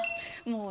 もう。